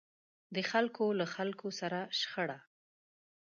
د خلکو له خلکو سره شخړه.